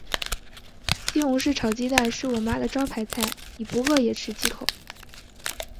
西红柿炒鸡蛋是我妈的招牌菜，你不饿也吃几口。